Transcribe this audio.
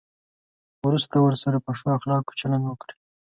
وروسته ورسره په ښو اخلاقو چلند وکړئ.